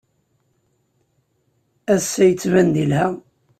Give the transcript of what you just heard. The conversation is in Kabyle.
Ass-a, yettban-d yelha.